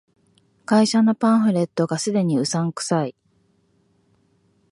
会社のパンフレットが既にうさんくさい